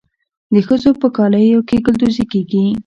د ښځو په کالیو کې ګلدوزي کیږي.